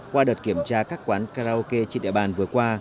qua đợt kiểm tra các quán karaoke trên địa bàn vừa qua